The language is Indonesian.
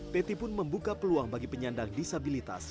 peti pun membuka peluang bagi penyandang disabilitas